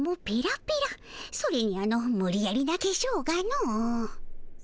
それにあのむりやりなけしょうがの。